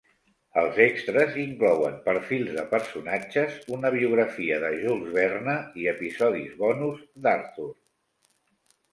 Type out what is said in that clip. Els extres inclouen perfils de personatges, una biografia de Jules Verne i episodis bonus d'Arthur!